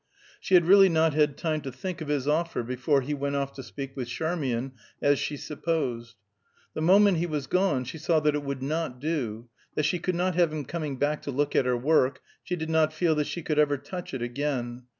She had really not had time to think of his offer before he went off to speak with Charmian, as she supposed. The moment he was gone she saw that it would not do; that she could not have him coming to look at her work; she did not feel that she could ever touch it again.